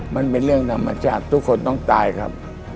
มันเป็นเรื่องธรรมชาติทุกคนต้องตายครับ